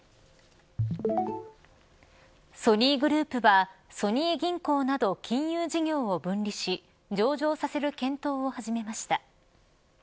ソニーグループはソニー銀行など金融事業を分離し上場させる検討を始めました。